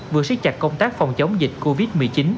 vừa siết chặt công tác phòng chống dịch covid một mươi chín